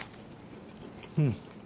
うん。